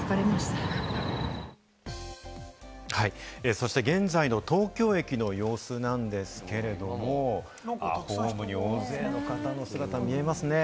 そして現在の東京駅の様子なんですけれども、大勢の方の姿が見えますね。